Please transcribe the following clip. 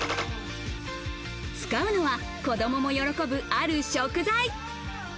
使うのは子供も喜ぶ、ある食材。